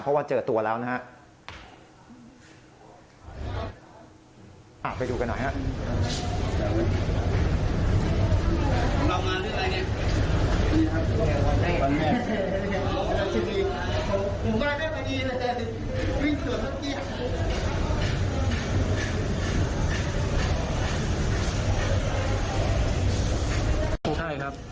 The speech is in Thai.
เพราะว่าเจอตัวแล้วนะครับ